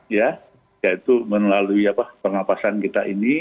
yaitu melalui pernafasan kita ini